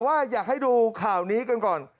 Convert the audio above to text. อยากให้ดูข่าวนี้กันก่อน